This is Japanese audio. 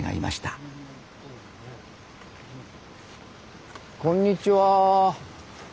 あこんにちは。